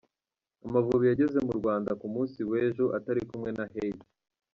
Amavubi yageze mu Rwanda ku munsi w’ejo atari kumwe na Hey.